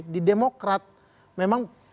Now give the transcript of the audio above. di demokrat memang